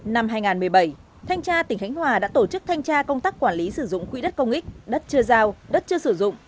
năm hai nghìn một mươi bảy thanh tra tỉnh khánh hòa đã tổ chức thanh tra công tác quản lý sử dụng quỹ đất công ích đất chưa giao đất chưa sử dụng